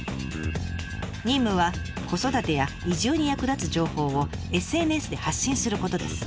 任務は子育てや移住に役立つ情報をＳＮＳで発信することです。